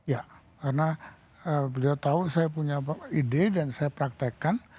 ya karena beliau tahu saya punya ide dan saya praktekkan